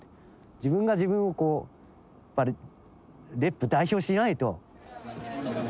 自分が自分をこうＲｅｐ代表しないと。